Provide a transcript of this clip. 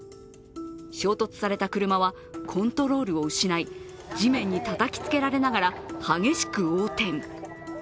衝突された車はコントロールを失い地面にたたきつけられながら激しく横転。